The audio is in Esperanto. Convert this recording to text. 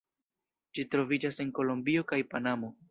Ĝi troviĝas en Kolombio kaj Panamo.